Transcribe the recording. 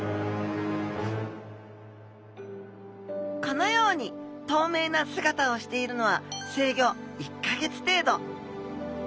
このように透明な姿をしているのは生後１か月程度。